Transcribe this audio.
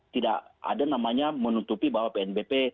tidak ada namanya menutupi bahwa pnbp